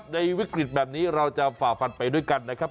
วิกฤตแบบนี้เราจะฝ่าฟันไปด้วยกันนะครับ